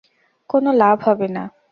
কোনো লাভ হবে না!